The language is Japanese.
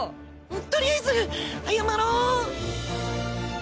とりあえず謝ろう。